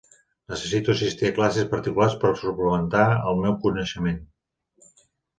Necessito assistir a classes particulars per suplementar el meu coneixement.